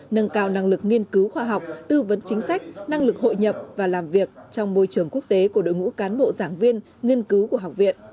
nâng cao năng lực nghiên cứu khoa học tư vấn chính sách năng lực hội nhập và làm việc trong môi trường quốc tế của đội ngũ cán bộ giảng viên nghiên cứu của học viện